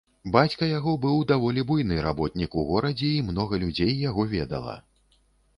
Бацька яго быў даволі буйны работнік у горадзе, і многа людзей яго ведала.